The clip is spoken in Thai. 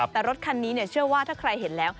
แต่รถคันนี้เชื่อว่าถ้าใครเห็นแล้ว